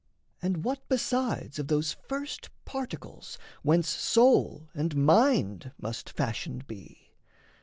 And what besides of those first particles Whence soul and mind must fashioned be?